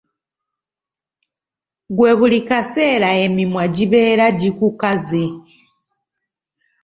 Ggwe buli kaseera emimwa gibeera gikukaze.